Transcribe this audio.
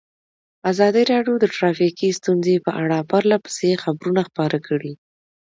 ازادي راډیو د ټرافیکي ستونزې په اړه پرله پسې خبرونه خپاره کړي.